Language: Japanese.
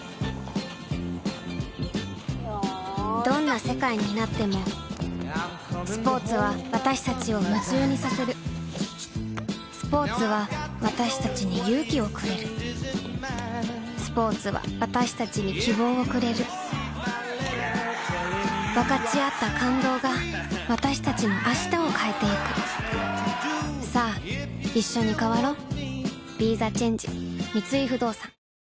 どんな世界になってもスポーツは私たちを夢中にさせるスポーツは私たちに勇気をくれるスポーツは私たちに希望をくれる分かち合った感動が私たちの明日を変えてゆくさあいっしょに変わろう